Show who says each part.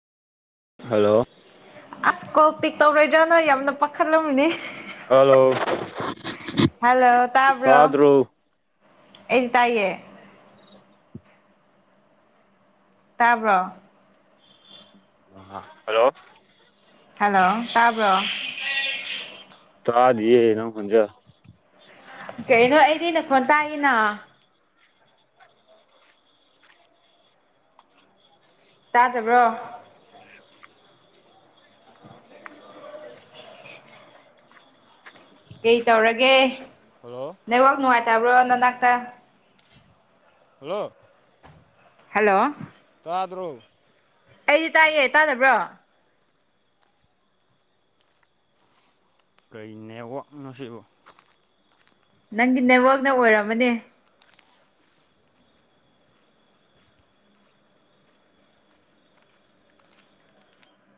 Speaker 1: hello
Speaker 2: ꯑꯁ ꯀꯣ ꯄꯤꯛ ꯇꯧꯔꯣꯏꯗ꯭ꯔꯥꯅ ꯌꯥꯝꯅ ꯄꯥꯈꯠꯂꯝꯕꯅꯤ
Speaker 1: ꯍꯜꯂꯣ
Speaker 2: ꯍꯜꯂꯣ ꯇꯥꯕ꯭ꯔꯣ
Speaker 1: ꯇꯥꯗ꯭ꯔꯣ
Speaker 2: ꯑꯩꯗꯤ ꯇꯥꯏꯌꯦ ꯇꯥꯕ꯭ꯔꯣ
Speaker 1: ꯑ ꯍꯜꯂꯣ
Speaker 2: ꯍꯜꯂꯣ ꯇꯥꯕ꯭ꯔꯣ
Speaker 1: ꯇꯥꯗꯌꯦꯅ ꯍꯟꯖꯥ
Speaker 2: ꯀꯩꯅꯣ ꯑꯩꯗꯤ ꯅꯈꯣꯟ ꯇꯥꯛꯏꯅ ꯇꯥꯗꯕ꯭ꯔꯣ ꯀꯩ ꯇꯧꯔꯒꯦ
Speaker 1: ꯍꯜꯂꯣ
Speaker 2: ꯅꯦꯠꯋꯥꯛ ꯅꯨꯡꯉꯥꯏꯇꯕ꯭ꯔꯣ ꯅꯅꯥꯛꯇ
Speaker 1: ꯍꯜꯂꯣ
Speaker 2: ꯍꯜꯂꯣ
Speaker 1: ꯆꯥꯗ꯭ꯔꯨ
Speaker 2: ꯑꯩꯗꯤ ꯇꯥꯏꯑꯦ ꯇꯥꯟꯅꯕ꯭ꯔꯣ
Speaker 1: ꯀꯅꯦꯋꯥꯛꯅꯣꯁꯤꯕꯨ
Speaker 2: ꯅꯪꯒꯤ ꯅꯕꯥꯛꯅ ꯑꯣꯏꯔꯝꯃꯅꯦ